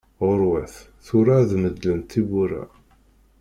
Ɣuṛwat, tura ad medlent tebbura!